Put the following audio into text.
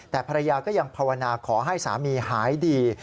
แต่ภรรยาก็ยังภาวนาขอให้สามีหายดี